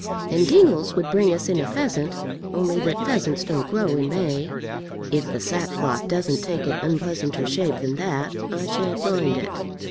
And Dingles would bring us in a pheasant, only that pheasants don't grow in May." "If the sackcloth doesn't take an unpleasanter shape than that, I shan't mind it."